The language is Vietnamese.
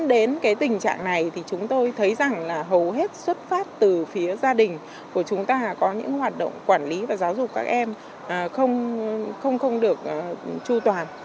dẫn đến cái tình trạng này thì chúng tôi thấy rằng là hầu hết xuất phát từ phía gia đình của chúng ta có những hoạt động quản lý và giáo dục các em không được tru toàn